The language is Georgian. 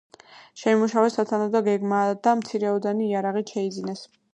შეიმუშავეს სათანადო გეგმა და მცირეოდენი იარაღიც შეიძინეს.